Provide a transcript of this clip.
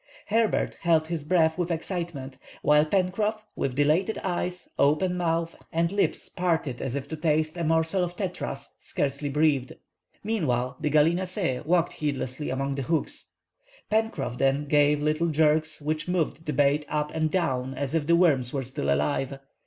Herbert held his breath with excitement, while Pencroff, with dilated eyes, open month, and lips parted as if to taste a morsel of tetras, scarcely breathed. Meanwhile the gallinaceæ walked heedlessly among the hooks. Pencroff then gave little jerks, which moved the bait up and down as if the worms were still alive.